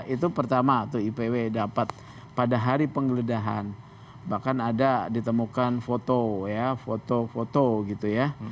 itu pertama tuh ipw dapat pada hari penggeledahan bahkan ada ditemukan foto ya foto foto gitu ya